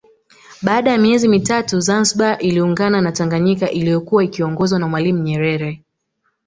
Baada ya miezi mitatu Zanzibar iliungana na Tanganyika iliyokuwa ikiongozwa na Mwalimu Nyerere